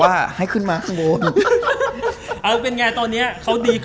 วันนี้ทำไมผมเหมือนไง